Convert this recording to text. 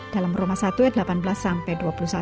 dalam rumah satu ya delapan belas sampai dua puluh satu